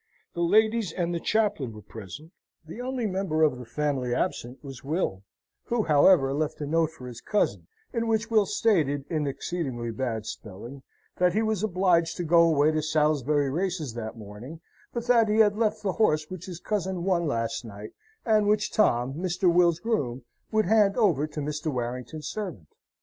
The ladies and the chaplain were present the only member of the family absent was Will: who, however, left a note for his cousin, in which Will stated, in exceedingly bad spelling, that he was obliged to go away to Salisbury Races that morning, but that he had left the horse which his cousin won last night, and which Tom, Mr. Will's groom, would hand over to Mr. Warrington's servant.